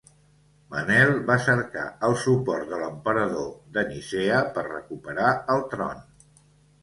Manel va cercar el suport de l'emperador de Nicea per recuperar el tron.